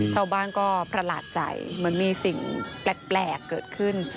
ชาวบ้านก็ประหลาดใจเหมือนมีสิ่งแปลกเกิดขึ้น